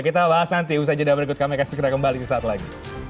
kita bahas nanti usai jeda berikut kami akan segera kembali di saat lain